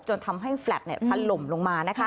จนทำให้แฟล็ดทะลมลงมา